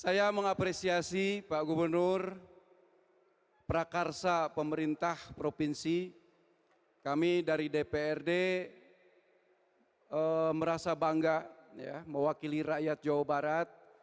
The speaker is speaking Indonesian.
saya mengapresiasi pak gubernur prakarsa pemerintah provinsi kami dari dprd merasa bangga mewakili rakyat jawa barat